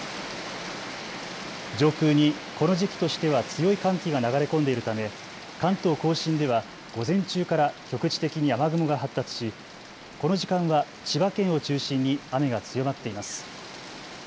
上空にこの時期としては強い寒気が流れ込んでいるため関東甲信では午前中から局地的に雨雲が発達し、この時間は千葉県を中心に雨が強まっています。